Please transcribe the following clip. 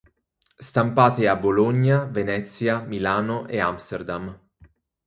Stampate a Bologna, Venezia, Milano e Amsterdam.